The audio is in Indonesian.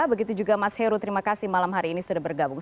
begitu juga mas heru terima kasih malam hari ini sudah bergabung